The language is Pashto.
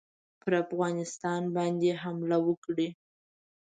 پر افغانستان باندي حمله وکړي.